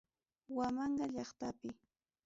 Huamanga llaqtapi.